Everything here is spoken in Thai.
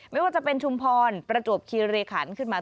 ไม่ว่าจะเป็นชุมพรประจวบคีรีขันขึ้นมา